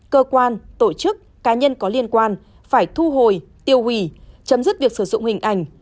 cơ quan tổ chức cá nhân có liên quan phải thu hồi tiêu hủy chấm dứt việc sử dụng hình ảnh